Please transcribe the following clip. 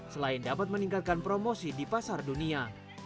selain dapat meningkatkan promosi di pasar dunia